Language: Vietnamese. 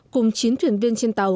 cùng chín thuyền viên trên tàu